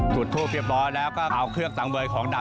จุดทูปเรียบร้อยแล้วก็เอาเครื่องสังเวยของดาว